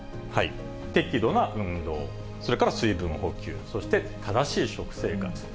適度な運動、それから水分補給、そして正しい食生活。